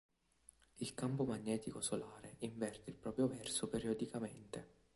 Il campo magnetico solare inverte il proprio verso periodicamente.